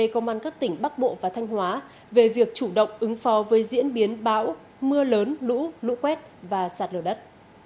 công an các tỉnh bắc bộ và thanh hóa về việc chủ động ứng phó với diễn biến bão mưa lớn lũ lũ quét và sạt lửa đất